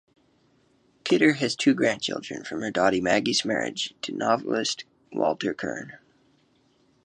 Kidder has two grandchildren from her daughter Maggie's marriage to novelist Walter Kirn.